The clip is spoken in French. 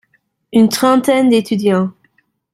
Une trentaine d’étudiants.